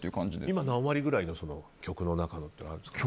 今何割ぐらいの曲の中のってあるんですか？